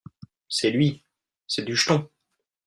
C’est lui ! c’est Dujeton…